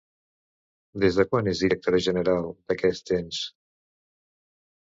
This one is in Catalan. Des de quan és directora general d'aquest ens?